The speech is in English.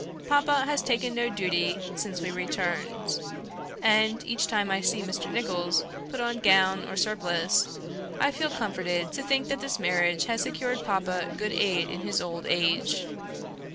Papa has taken no duty since we returned; and each time I see Mr. Nicholls put on gown or surplice, I feel comforted to think that this marriage has secured papa good aid in his old age."